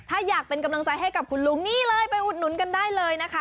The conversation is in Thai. ถ้าอยากเป็นกำลังใจให้กับคุณลุงนี่เลยไปอุดหนุนกันได้เลยนะคะ